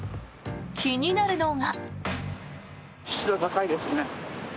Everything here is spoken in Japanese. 気になるのが。